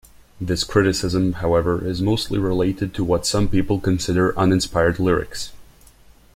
This criticism, however, is mostly related to what some people consider "uninspired lyrics".